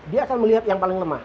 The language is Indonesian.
dia asal melihat yang paling lemah